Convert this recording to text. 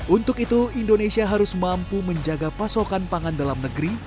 untuk itu indonesia harus mampu menjaga pasokan pangan dalam negeri